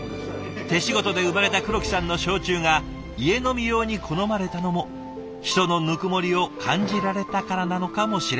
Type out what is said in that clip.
手仕事で生まれた黒木さんの焼酎が家飲み用に好まれたのも人のぬくもりを感じられたからなのかもしれません。